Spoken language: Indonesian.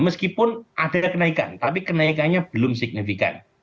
meskipun ada kenaikan tapi kenaikannya belum signifikan